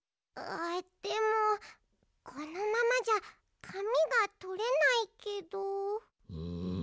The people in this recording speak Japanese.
あっでもこのままじゃかみがとれないけど。